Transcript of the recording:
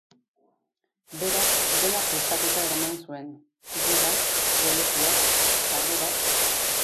Berak dena prestatuta eraman zuen; gidak, lolekuak, sarrerak...